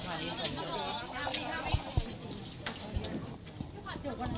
เจอเฉยด้วย